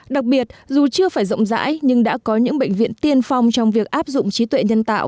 đặc biệt dù chưa phải rộng rãi nhưng đã có những bệnh viện tiên phong trong việc áp dụng trí tuệ nhân tạo